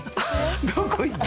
「どこ行った？」